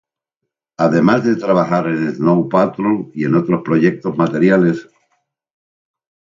Además de trabajar en Snow Patrol y en otros proyectos materiales.